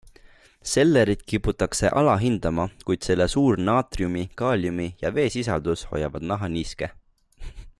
Sellerit kiputakse alahindama, kuid selle suur naatriumi-, kaaliumi- ja veesisaldus hoiavad naha niiske.